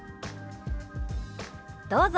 どうぞ！